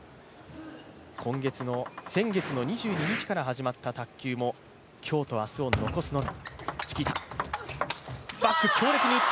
先月の２２日から始まった卓球も、今日と明日を残すのみ。